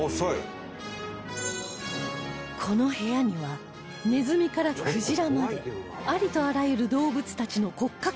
この部屋にはネズミからクジラまでありとあらゆる動物たちの骨格